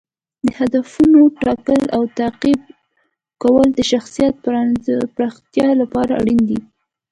د هدفونو ټاکل او تعقیب کول د شخصیت پراختیا لپاره اړین دي.